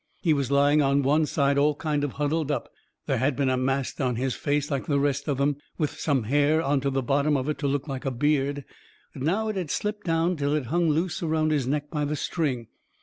He was lying on one side all kind of huddled up. There had been a mask on his face, like the rest of them, with some hair onto the bottom of it to look like a beard. But now it had slipped down till it hung loose around his neck by the string.